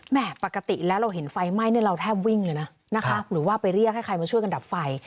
ปกติแล้วเราเห็นไฟไหม้เนี่ยเราแทบวิ่งเลยนะนะคะหรือว่าไปเรียกให้ใครมาช่วยกันดับไฟ